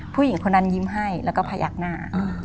ผู้หญิงคนนั้นยิ้มให้แล้วก็พยักหน้า